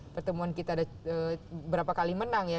pertemuan kita ada berapa kali menang ya